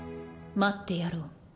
待ってやろう。